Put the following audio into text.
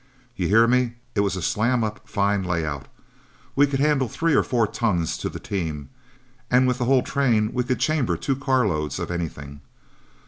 You hear me, it was a slam up fine layout. We could handle three or four tons to the team, and with the whole train we could chamber two car loads of anything.